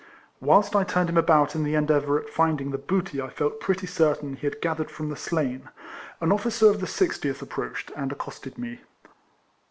Whilst I turned him about in the endeavour at finding the booty I felt pretty certain he had gathered from the slain, an officer of the sixtieth approached, and accosted me.